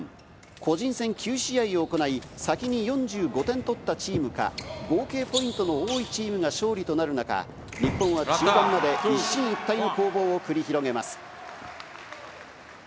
個人戦９試合を行い、先に４５点取ったチームか、合計ポイントの多いチームが勝利となる中、日本は中盤まで一進一退の攻防を繰り広げます。